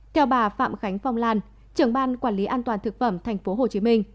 theo bà phạm khánh phong lan trưởng ban quản lý an toàn thực phẩm tp hcm